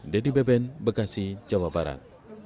dedy beben bekasi jawa barat